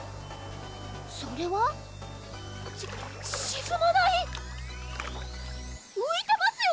それはししずまない⁉ういてますよ！